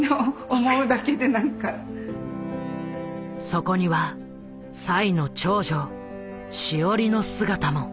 そこには栽の長女志織の姿も。